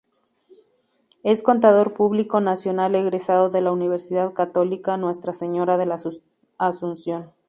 Es Contador Público Nacional egresado de la Universidad Católica Nuestra Señora de la Asunción.